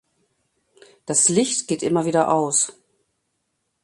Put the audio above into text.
Das Licht geht immer wieder aus.